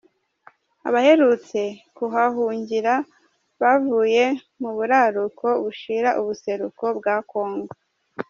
Abaherutse kuhahungira bavuye mu buraruko bushira ubuseruko bwa Congo.